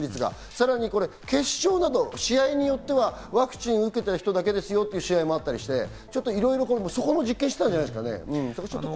さらに決勝など試合によってはワクチンを打っている人だけですよという試合もあったりして、そこも実験したんじゃないですかね。